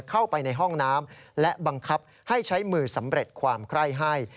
เข้าไปในห้องน้ำและบังคับให้ใช้มือสำเร็จความไคร้ให้